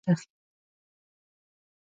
د سهار لخوا جنسي اړيکه ګټوره ده.